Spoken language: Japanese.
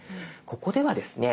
ここではですね